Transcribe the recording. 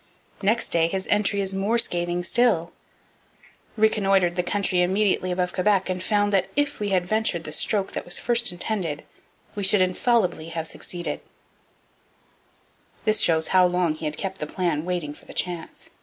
Next day, his entry is more scathing still: 'Reconnoitred the country immediately above Quebec and found that if we had ventured the stroke that was first intended we should infallibly have succeeded.' This shows how long he had kept the plan waiting for the chance.